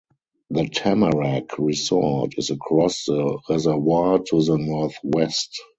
The Tamarack Resort is across the reservoir to the northwest.